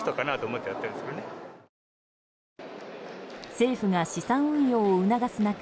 政府が資産運用を促す中